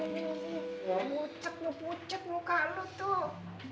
nih bucet bucet muka lo tuh